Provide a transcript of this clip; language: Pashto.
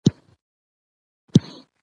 روژه د پاکۍ نښه ده.